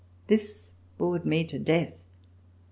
This bored me to death.